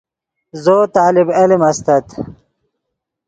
زو طالب علم استت